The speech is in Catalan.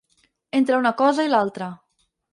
Entre una cosa i l'altra.